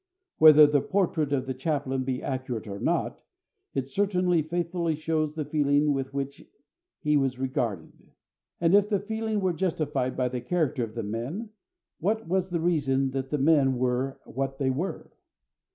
Whether the portrait of the chaplain be accurate or not, it certainly faithfully shows the feeling with which he was regarded. And if the feeling were justified by the character of the men, what was the reason that the men were what they were?